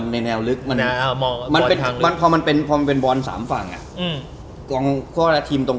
เหมือนเกมลุคมันมีตัวเลือกน้อย